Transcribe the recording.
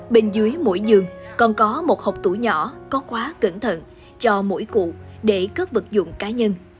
bên dưới mỗi giường còn có một hộp tủ nhỏ có khóa cẩn thận cho mỗi cụ để cất vật dụng cá nhân